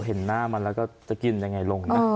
เห็นหน้ามันแล้วก็จะกินยังไงลงนะ